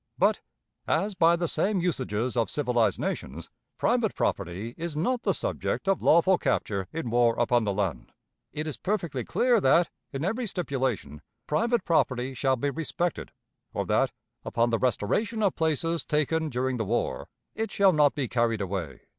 ... But, as by the same usages of civilized nations, private property is not the subject of lawful capture in war upon the land, it is perfectly clear that, in every stipulation, private property shall be respected; or that, upon the restoration of places taken during the war, it shall not be carried away."